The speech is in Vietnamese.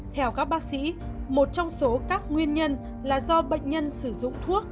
theo các bác sĩ một trong số các nguyên nhân là do bệnh nhân sử dụng thuốc